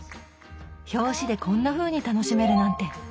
表紙でこんなふうに楽しめるなんて！